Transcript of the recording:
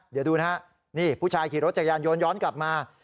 เดี๋ยวดูนะฮะนี่ผู้ชายขี่รถจักรยานโยนย้อนกลับมา